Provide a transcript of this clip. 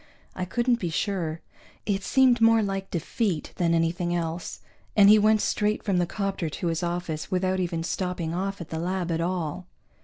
I couldn't be sure. It seemed more like defeat than anything else, and he went straight from the 'copter to his office without even stopping off at the lab at all.